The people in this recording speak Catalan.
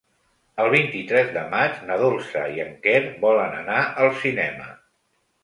El vint-i-tres de maig na Dolça i en Quer volen anar al cinema.